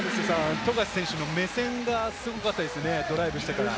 今、富樫選手の目線がすごかったですよね、ドライブしてから。